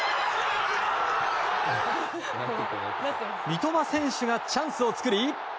三笘選手がチャンスを作り